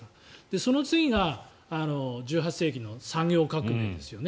その次が１８世紀の産業革命ですよね。